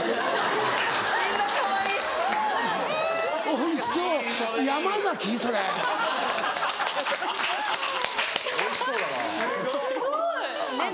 おいしそうだな。